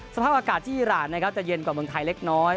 สภาพอากาศที่อิราณนะครับจะเย็นกว่าเมืองไทยเล็กน้อย